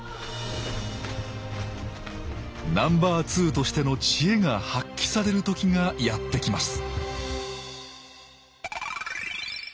ナンバーツーとしての知恵が発揮される時がやって来ます